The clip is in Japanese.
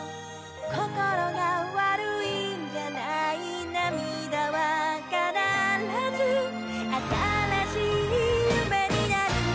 「こころが悪いんじゃない」「涙はかならずあたらしい夢になる」